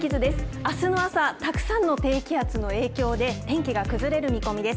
あすの朝、たくさんの低気圧の影響で、天気が崩れる見込みです。